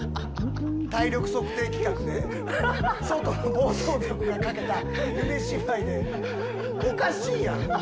体力測定企画で外の暴走族がかけた『夢芝居』でおかしいやろ？